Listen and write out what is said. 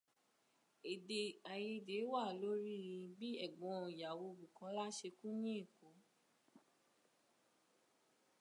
Èdè aìyedè wà lórí bí ẹ̀gbọ́n ìyàwó Bukola ṣe kú ní Èkó.